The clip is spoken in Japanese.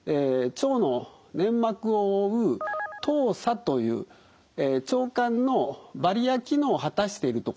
腸の粘膜を覆う糖鎖という腸管のバリア機能を果たしているところを食べてしまうと。